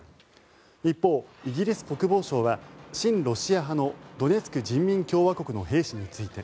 一方、イギリス国防省は親ロシア派のドネツク人民共和国の兵士について